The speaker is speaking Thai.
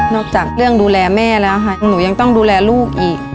จากเรื่องดูแลแม่แล้วค่ะหนูยังต้องดูแลลูกอีก